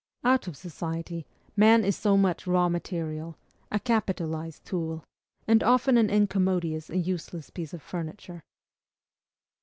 Out of society, man is so much raw material, a capitalized tool, and often an incommodious and useless piece of furniture.